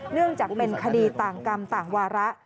เนื่องจากเป็นคดีต่างกรรมต่างวาระ